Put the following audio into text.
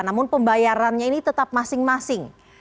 namun pembayarannya ini tetap masing masing